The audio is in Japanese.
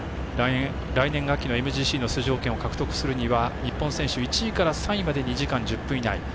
来年秋のＭＧＣの出場権を獲得するには日本選手１位から３位まで２時間１０分以内。